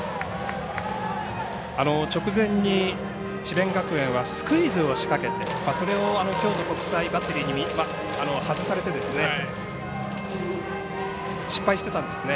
直前に智弁学園はスクイズを仕掛けてそれを京都国際バッテリーに外されて失敗してたんですね。